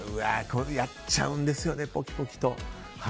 やっちゃうんですよねポキポキと。